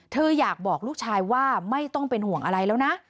อยากบอกลูกชายว่าไม่ต้องเป็นห่วงอะไรแล้วนะ